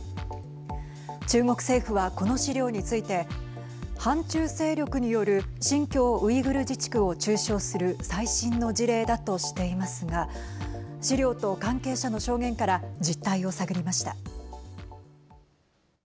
中国政府は、この資料について反中勢力による新疆ウイグル自治区を中傷する最新の事例だとしていますが資料と関係者の証言から実態を探りました。